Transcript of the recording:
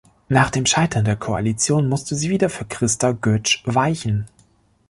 Nach dem Scheitern der Koalition musste sie wieder für Christa Goetsch weichen.